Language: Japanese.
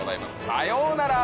さようなら。